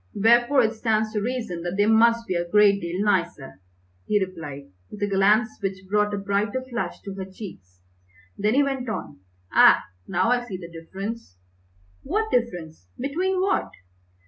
"Wherefore it stands to reason that they must be a great deal nicer!" he replied, with a glance which brought a brighter flush to her cheeks. Then he went on, "Ah, now I see the difference." "What difference? Between what?"